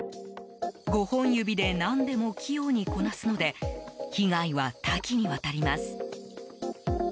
５本指で何でも器用にこなすので被害は多岐にわたります。